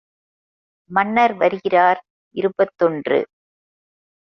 மன்னர் வருகிறார் இருபத்தொன்று.